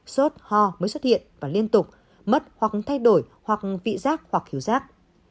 sốt ho mới xuất hiện và liên tục mất hoặc thay đổi hoặc vị giác hoặc hiểu giác